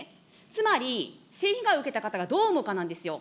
つまり、性被害を受けた方がどう思うかなんですよ。